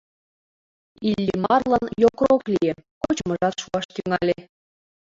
Иллимарлан йокрок лие, кочмыжат шуаш тӱҥале.